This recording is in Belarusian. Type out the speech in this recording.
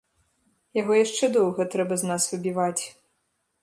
Яго яшчэ доўга трэба з нас выбіваць.